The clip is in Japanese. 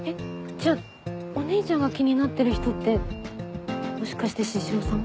じゃあお姉ちゃんが気になってる人ってもしかして獅子王さん？